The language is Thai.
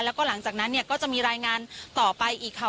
แล้วก็หลังจากนั้นเนี่ยก็จะมีรายงานต่อไปอีกค่ะ